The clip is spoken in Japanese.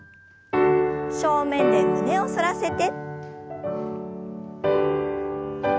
正面で胸を反らせて。